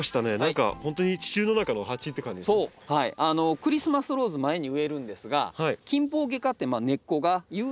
クリスマスローズ前に植えるんですがキンポウゲ科って根っこが有毒なことが多いんですよ。